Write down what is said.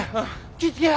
気ぃ付けや！